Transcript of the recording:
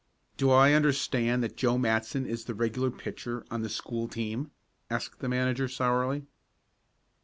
"Do I understand that Joe Matson is the regular pitcher on the school team?" asked the manager, sourly.